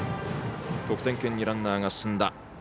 得点圏にランナーが進んだ。